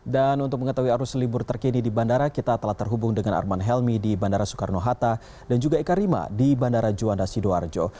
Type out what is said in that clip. dan untuk mengetahui arus libur terkini di bandara kita telah terhubung dengan arman helmi di bandara soekarno hatta dan juga eka rima di bandara juanda sidoarjo